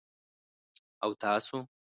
_او تاسو؟